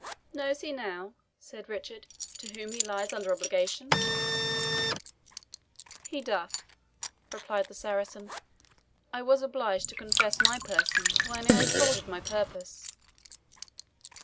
"Knows he now," said Richard, "to whom he lies under obligation?" "He doth," replied the Saracen. "I was obliged to confess my person when I unfolded my purpose."